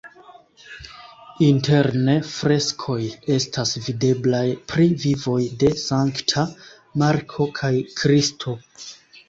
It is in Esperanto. Interne freskoj estas videblaj pri vivoj de Sankta Marko kaj Kristo.